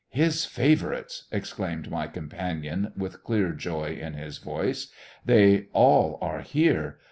"His favourites!" exclaimed my companion with clear joy in his voice. "They all are here!